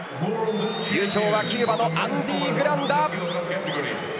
優勝はキューバのアンディ・グランダ。